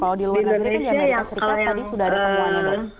kalau di luar negeri kan di amerika serikat tadi sudah ada temuannya dok